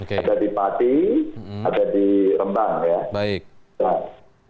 ada di pati ada di rembang ya